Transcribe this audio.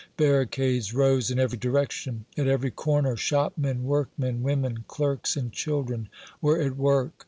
Barricades rose in every direction. At every corner shopmen, workmen, women, clerks and children were at work.